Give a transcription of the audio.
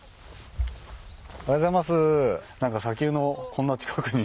おはようございます。